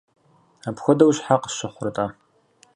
Апхуэдэу щхьэ къысщыхъурэ-тӏэ?